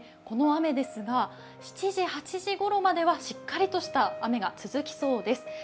この雨ですが、７時、８時ごろまではしっかりとした雨が続きそうです。